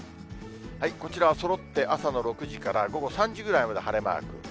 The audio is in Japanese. こちらはそろって朝の６時から午後３時ぐらいまで晴れマーク。